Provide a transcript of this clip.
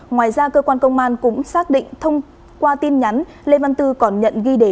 ngoài ra cơ quan công an cũng xác định thông qua tin nhắn lê văn tư còn nhận ghi đề